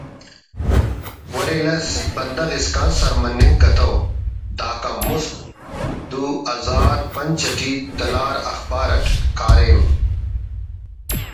ولے لس بندغ اسکان سر مننگ کتو (داکان مست) دو ہزار پنچ اٹی تلار اخبار اٹ کاریم